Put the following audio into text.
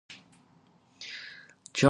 John rescues her, tying Alexei to a chair.